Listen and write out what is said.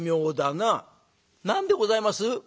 「何でございます？」。